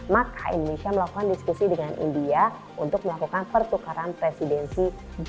maka indonesia melakukan diskusi dengan india untuk melakukan pertukaran presidensi